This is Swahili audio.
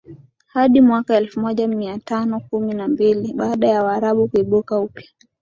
hadi mwaka elfu moja mia tano kumi na mbili baada ya Waarabu kuibuka upya